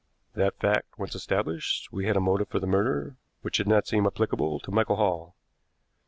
"That fact once established, we had a motive for the murder, which did not seem applicable to Michael Hall.